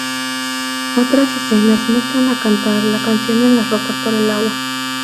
Otras escenas muestran a cantar la canción en las rocas por el agua.